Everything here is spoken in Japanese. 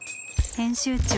編集長